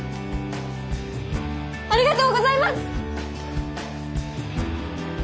ありがとうございます！